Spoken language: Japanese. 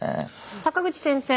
坂口先生